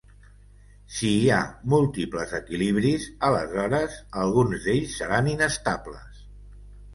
Si hi ha múltiples equilibris, aleshores alguns d'ells seran inestables.